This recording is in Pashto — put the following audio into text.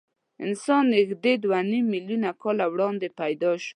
انسان نږدې دوه نیم میلیونه کاله وړاندې پیدا شو.